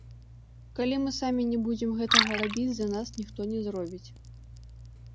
Калі мы самі не будзем гэтага рабіць, за нас ніхто не зробіць.